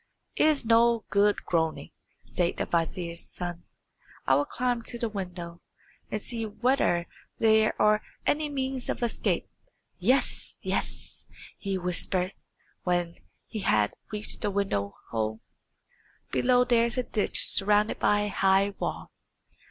"It is no good groaning," said the vizier's son. "I will climb to the window, and see whether there are any means of escape. Yes! yes!" he whispered, when he had reached the window hole. "Below there is a ditch surrounded by a high wall.